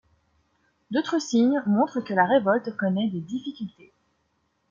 D'autres signes montrent que la révolte connaît des difficultés.